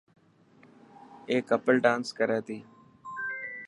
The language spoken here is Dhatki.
اي ڪپل ڊانس ڪري تي.